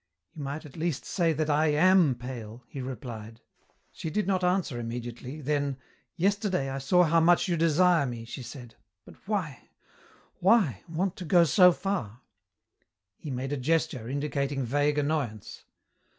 "You might at least say that I am pale," he replied. She did not answer immediately, then, "Yesterday I saw how much you desire me," she said. "But why, why, want to go so far?" He made a gesture, indicating vague annoyance.